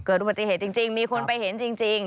อุบัติเหตุจริงมีคนไปเห็นจริง